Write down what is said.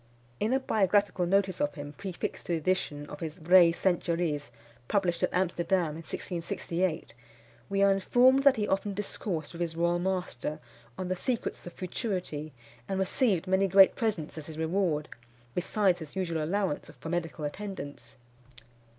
In a biographical notice of him, prefixed to the edition of his Vraies Centuries, published at Amsterdam in 1668, we are informed that he often discoursed with his royal master on the secrets of futurity, and received many great presents as his reward, besides his usual allowance for medical attendance.